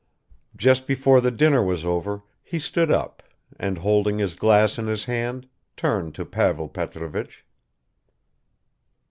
Just before the dinner was over he stood up and, holding his glass in his hand, turned to Pavel Petrovich.